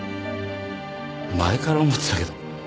前から思ってたけど君変だぞ。